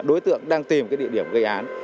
đối tượng đang tìm cái địa điểm gây án